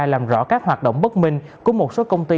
làm rõ các hoạt động bất minh của một số công ty